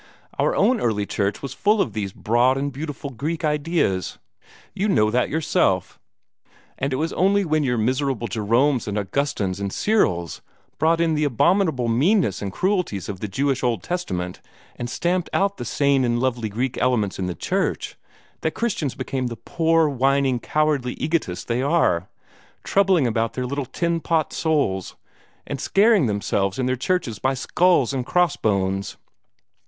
Our own early Church was full of these broad and beautiful Greek ideas. You know that yourself! And it was only when your miserable Jeromes and Augustines and Cyrils brought in the abominable meannesses and cruelties of the Jewish Old Testament, and stamped out the sane and lovely Greek elements in the Church, that Christians became the poor, whining, cowardly egotists they are, troubling about their little tin pot souls, and scaring themselves in their churches by skulls and crossbones."